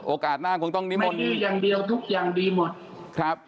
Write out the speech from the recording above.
โอกาสหน้าคงต้องนิ้มล์